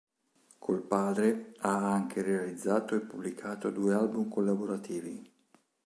Col padre ha anche realizzato e pubblicato due album collaborativi.